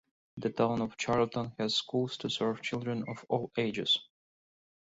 The town of Charlton has schools to serve children of all ages.